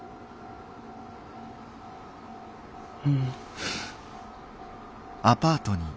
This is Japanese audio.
うん。